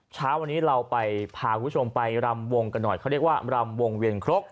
เช้าวันนี้เราไปพาคุณผู้ชมไปรำวงกันหน่อยเขาเรียกว่ารำวงเวียนครก